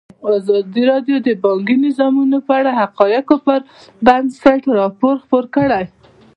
ازادي راډیو د بانکي نظام په اړه د حقایقو پر بنسټ راپور خپور کړی.